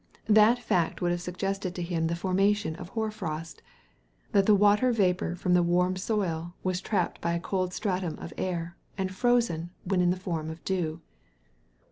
That fact would have suggested to him the formation of hoar frost; that the water vapour from the warm soil was trapped by a cold stratum of air and frozen when in the form of dew.